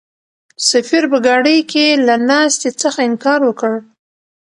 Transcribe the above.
سفیر په ګاډۍ کې له ناستې څخه انکار وکړ.